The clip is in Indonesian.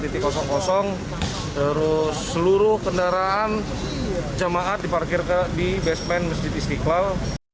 terus seluruh kendaraan jamaat diparkir di basement meskipun